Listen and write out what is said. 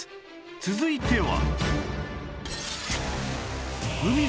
続いては